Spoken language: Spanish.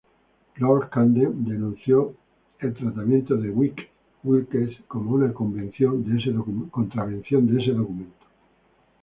Lord Camden denunció el tratamiento de Wilkes como una contravención de ese documento.